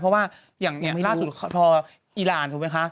เพราะว่าอย่างล่าสุดทอีรานถูกไหมคะ